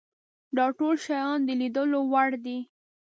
دا ټول شیان د لیدلو وړ دي.